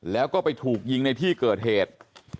แล้วก็ไปถูกยิงในที่เกิดเหตุ